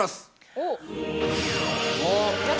おっ！